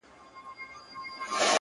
پر ذهن مي را اوري ستا ګلاب ګلاب یادونه-